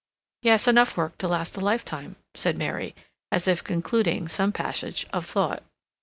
"Yes—enough work to last a lifetime," said Mary, as if concluding some passage of thought.